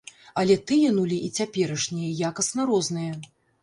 Але тыя нулі і цяперашнія якасна розныя.